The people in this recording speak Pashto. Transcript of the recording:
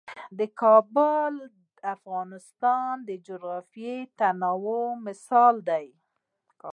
کابل د افغانستان د جغرافیوي تنوع مثال دی.